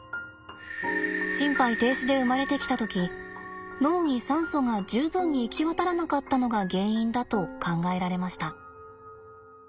心肺停止で生まれてきた時脳に酸素が充分に行き渡らなかったのが原因だと考えられました。